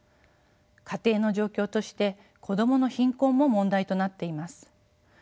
家庭の状況として子どもの貧困も問題となっています。